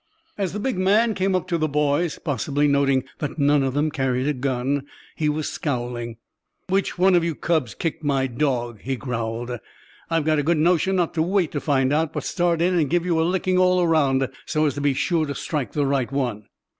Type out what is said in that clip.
As the big man came up to the boys, possibly noting that none of them carried a gun, he was scowling. "Which one of you cubs kicked my dog?" he growled. "I've got a good notion not to wait to find out, but start in and give you a licking all around, so as to be sure to strike the right one."